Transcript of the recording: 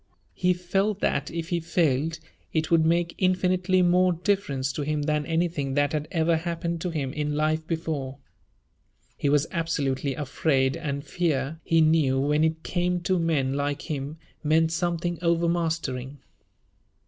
He felt that if he failed it would make infinitely more difference to him than anything that had ever happened to him in life before. He was absolutely afraid, and fear, he knew, when it came to men like him, meant something overmastering.